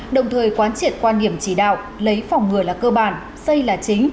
đồng thời quán triển quan nghiệm chỉ đạo lấy phòng ngừa là cơ bản xây là chính